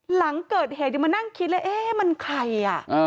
หลังเกิดเหตุเดี๋ยวมานั่งคิดแล้วมันใคร